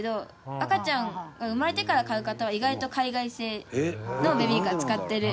赤ちゃんが生まれてから買う方は意外と海外製のベビーカー使ってる人が多いかなって。